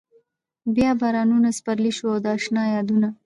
بيا بارانونه د سپرلي شو د اشنا يادونه